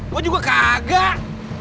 gua juga kagak